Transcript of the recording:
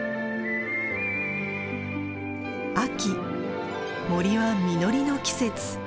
秋森は実りの季節。